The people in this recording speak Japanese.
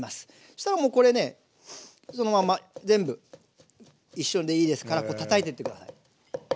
そしたらもうこれねそのまま全部一緒でいいですからこうたたいてって下さい。